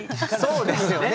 そうですよね。